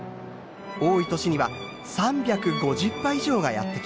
多い年には３５０羽以上がやって来ます。